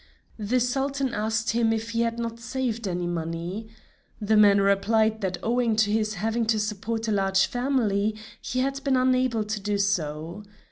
The Sultan asked him if he had not saved any money. The man replied that owing to his having to support a large family, he had been unable to do so.